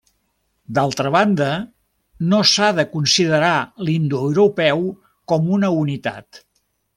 D'altra banda, no s'ha de considerar l'indoeuropeu com una unitat.